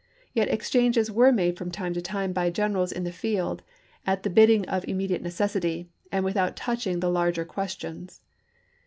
Yet exchanges were made from time to time by generals in the 448 ABRAHAM LINCOLN chap. xvi. field, at the bidding of immediate necessity, and without touching the larger questions.